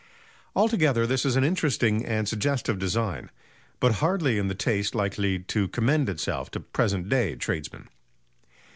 Altogether this is an interesting and suggestive design, but hardly in the taste likely to commend itself to present day tradesmen.